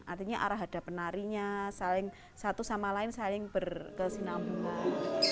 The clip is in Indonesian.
artinya arah hadap penarinya saling satu sama lain saling berkesinambungan